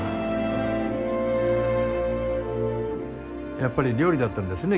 やっぱり料理だったんですね